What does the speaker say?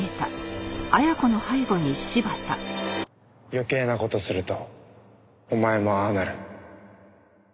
余計な事するとお前もああなる。